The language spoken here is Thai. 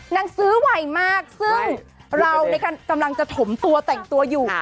นางซื้อไวมากซึ่งเรากำลังจะถมตัวแต่งตัวอยู่